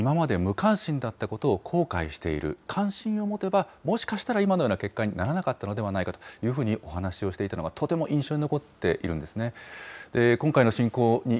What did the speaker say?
政治や憲法に今まで無関心だったことを後悔している、関心を持てば、もしかしたら今のような結果にならなかったのではないかとお話をしていたのがとても印象に残っているんですね。